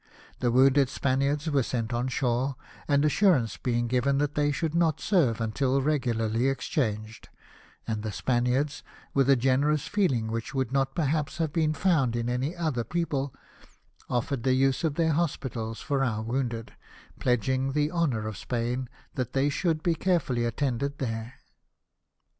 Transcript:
The wounded Spaniards were sent ashore, an assur ance being given that they should not serve until regularly exchanged ; and the Spaniards, with a generous feeling which would not perhaps have been found in any other people, offered the use of their hospitals for our wounded, pledging the honour of Spain that they should be carefully attended there.